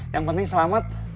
yang penting selamat